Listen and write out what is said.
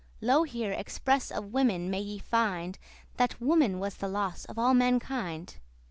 Lo here express of women may ye find That woman was the loss of all mankind.